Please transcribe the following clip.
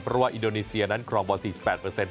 เพราะว่าอิดโนเนเซียนั้นคลองบอลสี่สิบแปดเปอร์เซ็นต์